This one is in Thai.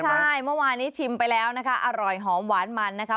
ใช่เมื่อวานนี้ชิมไปแล้วนะคะอร่อยหอมหวานมันนะคะ